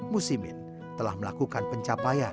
musimin telah melakukan penyelidikan